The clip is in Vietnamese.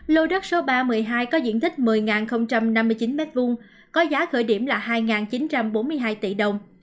lô đất số ba trăm một mươi hai có diện tích một mươi năm mươi chín m hai có giá khởi điểm là hai chín trăm bốn mươi hai tỷ đồng